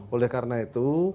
oleh karena itu